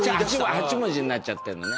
８文字になっちゃってるのね。